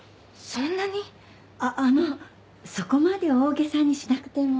そんなに⁉ああのそこまで大げさにしなくても。